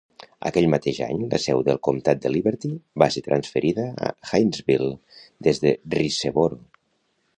Aquell mateix any, la seu del Comtat de Liberty va ser transferida a Hinesville des de Riceboro.